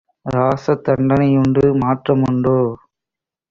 ராச தண்டனை யுண்டு! மாற்ற முண்டோ?